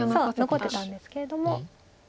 残ってたんですけれども。